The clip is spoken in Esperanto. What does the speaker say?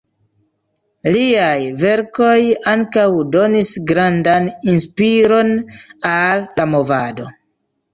Liaj verkoj ankaŭ donis grandan inspiron al la movado.